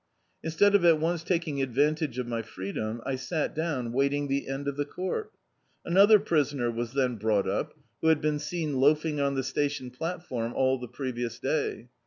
Instead of at once taking advantage of my freedrai, I sat down, waiting the end of the court Another prisoner was then brought up, who had been seen loafing on the station platform all the previous day.